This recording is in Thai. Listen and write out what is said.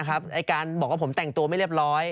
ไอ้การบอกว่าผมแต่งตัวไม่เรียบร้อย